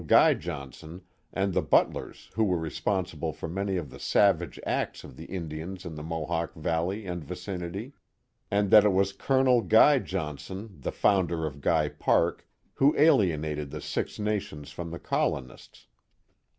Guy Johnson and the Butlers who were respon sible for many of the savage acts of the Indians in the Mohawk Valley and vicinity, and that it was Col. Guy John son, the founder of Guy Park, who alienated the Six Nations from the colonists.